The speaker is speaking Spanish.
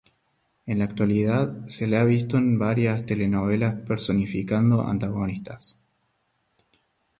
En la actualidad se le ha visto en varias telenovelas personificando antagonistas.